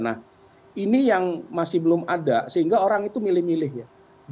nah ini yang masih belum ada sehingga orang itu milih milih ya